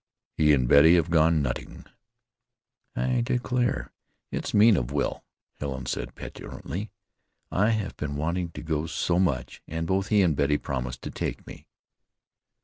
"He and Betty have gone nutting." "I declare it's mean of Will," Helen said petulantly. "I have been wanting to go so much, and both he and Betty promised to take me."